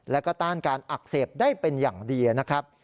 แล้วก็ต้านการอักเสบได้เป็นอย่างดีนะครับ